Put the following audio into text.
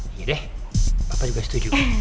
iya deh papa juga setuju